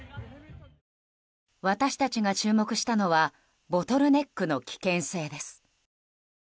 私たちが注目したのはボトルネックの危険性です。